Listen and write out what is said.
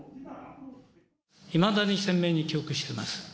いまだに鮮明に記憶してます。